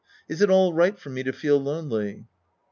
Is it all right for me to feel lonely